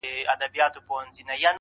يوه ورځ يې كړ هوسۍ پسي آس پونده؛